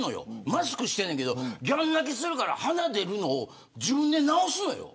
マスクしてるけどぎゃん泣きするから鼻が出るのを自分で直すのよ。